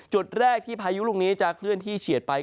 จุดแรกที่พายุลูกนี้จะเคลื่อนที่เฉียดไป